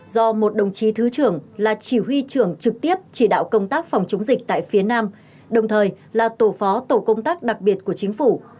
do một đồng chí thứ trưởng là chỉ huy trưởng trực tiếp chỉ đạo công tác phòng chống dịch tại phía nam đồng thời là tổ phó tổ công tác đặc biệt của chính phủ